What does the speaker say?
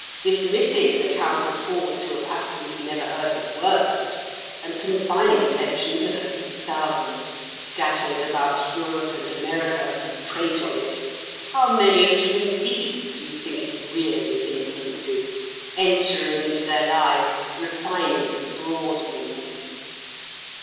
Dismissing the countless hordes who have absolutely never heard the word, and confining attention to the few thousands scattered about Europe and America who prate of it, how many of even these do you think it really influences, entering into their lives, refining, broadening them?